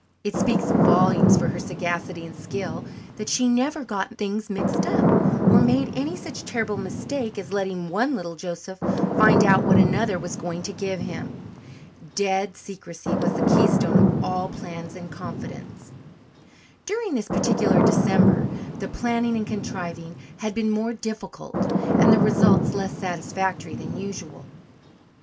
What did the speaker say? It speaks volumes for her sagacity and skill that she never got things mixed up or made any such terrible mistake as letting one little Joseph find out what another was going to give him. "Dead" secrecy was the keystone of all plans and confidences. During this particular December the planning and contriving had been more difficult and the results less satisfactory than usual.